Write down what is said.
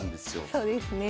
そうですね。